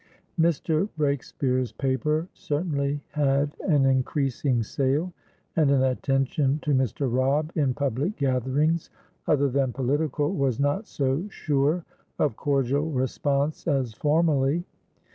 Mr. Breakspeare's paper certainly had an increasing sale, and an attention to Mr. Robb in public gatherings other than political was not so sure of cordial response as formerly.